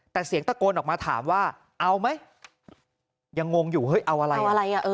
แต่เสียงตะโกนออกมาถามว่าเอาไหมยังงงอยู่เอาอะไร